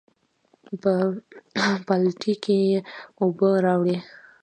پۀ بالټي کښې ئې اوبۀ راوړې ـ